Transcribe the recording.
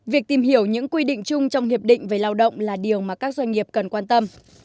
việc tìm hiểu những quy định chung trong hiệp định về lao động là điều mà các doanh nghiệp cần quan tâm